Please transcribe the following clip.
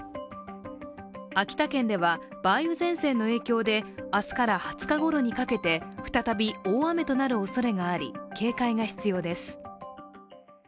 秋田県では梅雨前線の影響で明日から２０日ごろにかけて再び大雨となるおそれがあり警戒が必要です。